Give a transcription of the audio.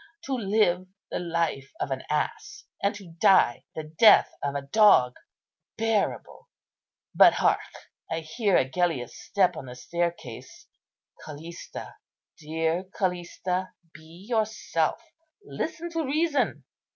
to live the life of an ass, and to die the death of a dog! Bearable! But hark! I hear Agellius's step on the staircase. Callista, dear Callista, be yourself. Listen to reason."